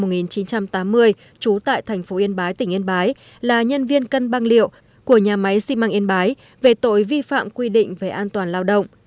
cơ quan cảnh sát điều tra công an tỉnh yên bái là nhân viên cân băng liệu của nhà máy xi măng yên bái về tội vi phạm quy định về an toàn lao động